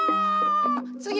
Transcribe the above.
つぎ。